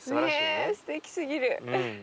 ねえすてきすぎる。